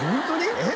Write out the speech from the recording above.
えっ？